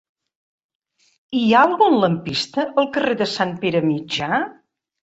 Hi ha algun lampista al carrer de Sant Pere Mitjà?